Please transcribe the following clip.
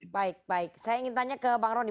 baik baik saya ingin tanya ke bang rony